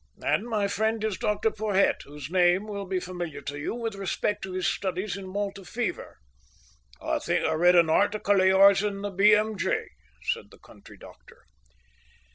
"And my friend is Dr Porhoët, whose name will be familiar to you with respect to his studies in Malta Fever." "I think I read an article of yours in the B.M.J." said the country doctor.